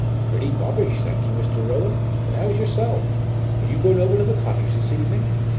"Pretty bobbish, thankee, Mr. Rowan; and how's yourself? Are you going over to the cottage this evening?"